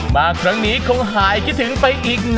มาครั้งนี้คงหายคิดถึงไปอีกนะ